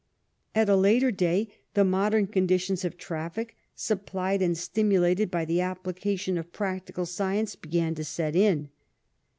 At a later day the modem condi tions of traffic, supplied and stimulated by the applica tion of practical science, began to set in.